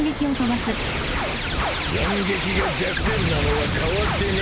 斬撃が弱点なのは変わってねえよなぁ。